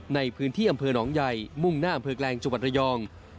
ในพื้นที่อำเภอหนองใหญ่มุ่งหน้าอำเภอแกลงจังหวัดระยอง